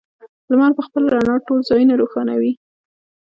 لمر په خپله رڼا ټول ځایونه روښانوي.